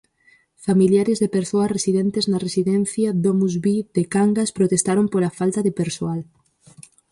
Familiares de persoas residentes na residencia DomusVi de Cangas protestaron pola falta de persoal.